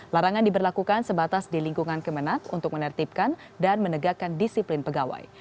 larangan diberlakukan sebatas di lingkungan kemenat untuk menertibkan dan menegakkan disiplin pegawai